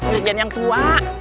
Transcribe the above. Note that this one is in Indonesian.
mirjen yang tua